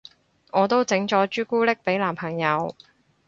我都整咗朱古力俾男朋友